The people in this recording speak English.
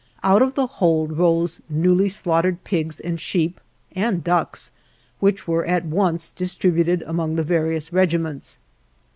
Out of the hold rose newly slaughtered pigs, and sheep, and ducks, which were at once distributed among the various regiments.